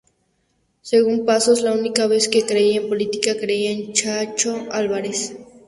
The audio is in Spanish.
Según Pazos, "la única vez que creí en política, creí en Chacho Alvarez.